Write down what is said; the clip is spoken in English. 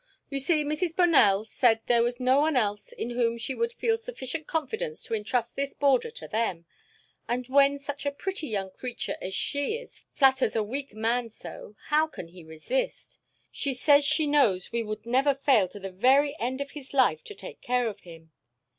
You see Mrs. Bonell said there was no one else in whom she would feel sufficient confidence to intrust this boarder to them, and when such a pretty young creature as she is flatters a weak man so, how can he resist? She says she knows we would never fail to the very end of his life to take care of him.